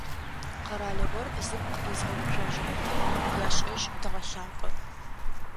Къэралыгъор зыпкъ изгъэуцожьыгъэхэм яшӏэжь тэгъэлъапӏэ.